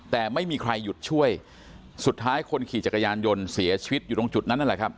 แต่ไม่มีใครหยุดช่วยสุดท้ายคนขี่จักรยานยนต์เสียชีวิตอยู่ตรงจุดนั้นนั่นแหละครับ